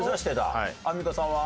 アンミカさんは？